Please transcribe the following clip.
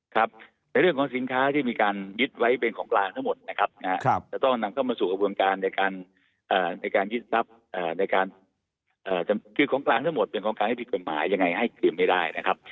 คือของกลางทั้งหมดเป็นของการให้ผิดเป็นหมายยังไงให้เก็บไม่ได้นะครับ